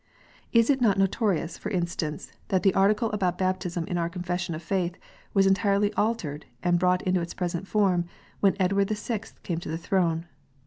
Is it not notorious, for instance, that the Article about baptism in our Confession of faith was entirely altered, and brought into its present form, when Edward the Sixth came to the throne?